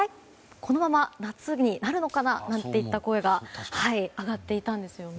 このまま夏になるのかなといった声が上がっていたんですよね。